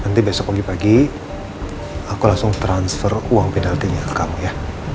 nanti besok pagi pagi aku langsung transfer uang penaltinya ke kang ya